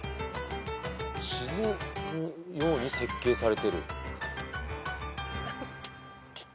沈むように設計されてる。